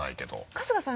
春日さん